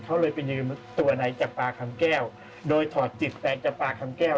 เขาเลยเป็นตัวไหนจับปากคำแก้วโดยถอดจิตแฟนจับปากคำแก้ว